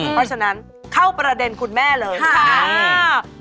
เพราะฉะนั้นเข้าประเด็นคุณแม่เลยค่ะ